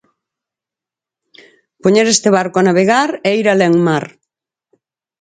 Poñer este barco a navegar e ir alén mar.